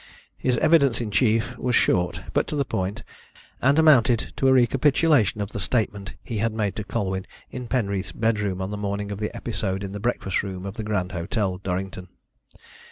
His evidence in chief was short, but to the point, and amounted to a recapitulation of the statement he had made to Colwyn in Penreath's bedroom on the morning of the episode in the breakfast room of the Grand Hotel, Durrington.